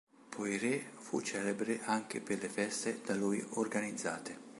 Poiret fu celebre anche per le feste da lui organizzate.